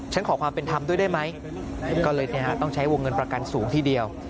ขอความเป็นธรรมด้วยได้ไหมก็เลยต้องใช้วงเงินประกันสูงทีเดียว